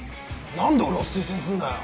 何で俺を推薦すんだよ？